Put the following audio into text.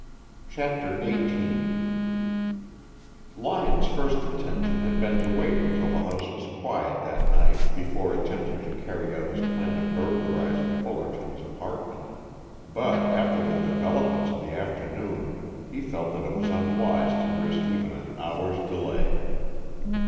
CHAPTER XVIII Lyon's first intention had been to wait until the house was quiet that night before attempting to carry out his plan of burglarizing Fullerton's apartment, but after the developments of the afternoon he felt that it was unwise to risk even an hour's delay.